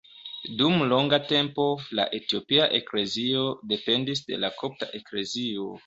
Dum longa tempo la Etiopia Eklezio dependis de la Kopta Eklezio.